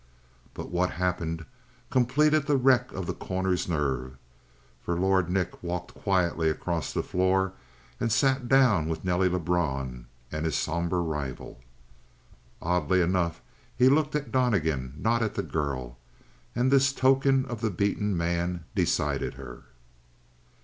But what happened completed the wreck of The Corner's nerves, for Lord Nick walked quietly across the floor and sat down with Nelly Lebrun and his somber rival. Oddly enough, he looked at Donnegan, not at the girl, and this token of the beaten man decided her.